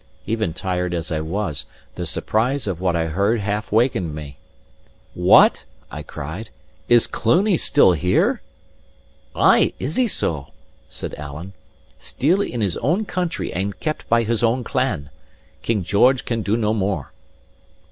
Even tired as I was, the surprise of what I heard half wakened me. "What," I cried, "is Cluny still here?" "Ay, is he so!" said Alan. "Still in his own country and kept by his own clan. King George can do no more."